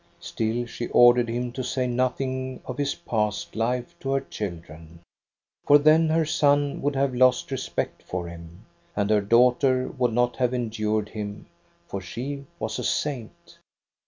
Still, she ordered him to say nothing of his past life to her children. For then her son would have lost respect for him, and her daughter would not have endured him, for she was a saint.